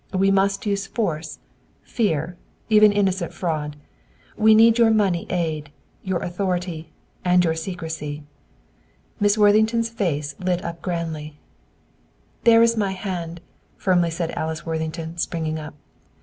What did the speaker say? We must use force, fear, even innocent fraud. We need your money aid, your authority, and your secrecy." Miss Worthington's face lit up grandly. "There's my hand," firmly said Alice Worthington, springing up.